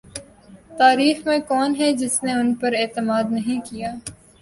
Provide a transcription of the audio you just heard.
تاریخ میں کون ہے جس نے ان پر اعتماد نہیں کیا ہے۔